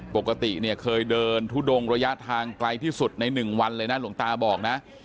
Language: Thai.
ปกติเนี่ยเคยเดินทุดงระยะทางไกลที่สุดใน๑วันเลยนะหลวงตาบอกนะ